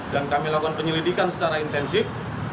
dan kami lakukan penyelidikan secara intensif